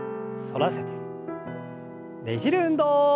ねじる運動。